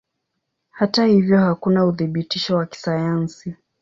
Hata hivyo hakuna uthibitisho wa kisayansi.